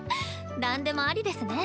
何でもありですね。